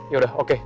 ya udah oke